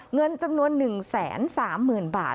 เงินจำนวน๑๓๐๐๐บาท